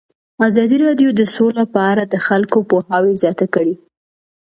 ازادي راډیو د سوله په اړه د خلکو پوهاوی زیات کړی.